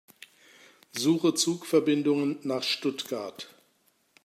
Suche Zugverbindungen nach Stuttgart.